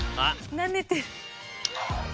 なめてる。